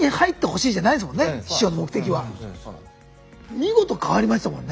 見事変わりましたもんね。